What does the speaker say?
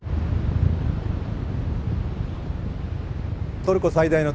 トルコ最大の都市